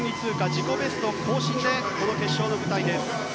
自己ベスト更新でこの決勝の舞台です。